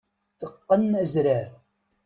Teqqen azrar.